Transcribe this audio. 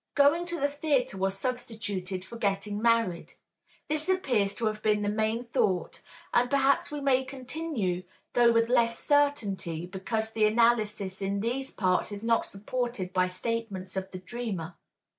Going to the theatre was substituted for getting married. This appears to have been the main thought; and perhaps we may continue, though with less certainty, because the analysis in these parts is not supported by statements of the dreamer.)